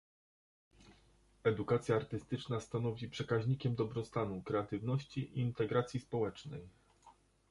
Edukacja artystyczna stanowi przekaźnikiem dobrostanu, kreatywności i integracji społecznej